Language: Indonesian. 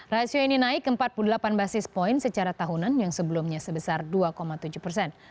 rasio ini naik ke empat puluh delapan basis point secara tahunan yang sebelumnya sebesar dua tujuh persen